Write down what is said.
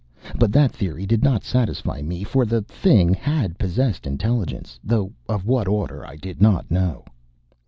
But that theory did not satisfy me for the Thing had possessed intelligence, though of what order I did not know.